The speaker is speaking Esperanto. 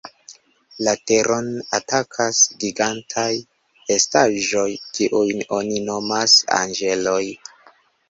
La Teron atakas gigantaj estaĵoj, kiujn oni nomas "Anĝeloj".